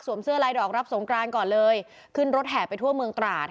เสื้อลายดอกรับสงกรานก่อนเลยขึ้นรถแห่ไปทั่วเมืองตราด